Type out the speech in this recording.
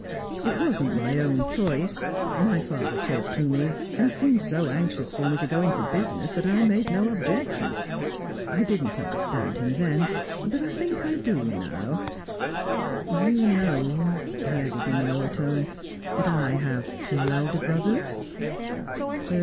"It wasn't my own choice. My father talked to me, and seemed so anxious for me to go into business that I made no objection. I didn't understand him then, but I think I do now. You know" he added in a lower tone "that I have two elder brothers?"